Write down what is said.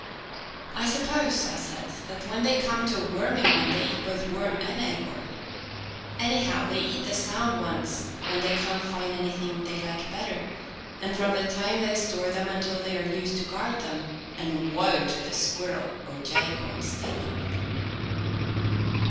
"I suppose," I said, "that when they come to a wormy one they eat both worm and acorn. Anyhow, they eat the sound ones when they can't find anything they like better, and from the time they store them until they are used they guard them, and woe to the squirrel or jay caught stealing."